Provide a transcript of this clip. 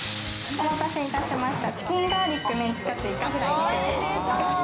お待たせいたしました。